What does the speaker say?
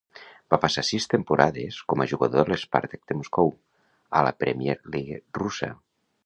Va passar sis temporades com a jugador de l'Spartak de Moscou a la Premier League russa.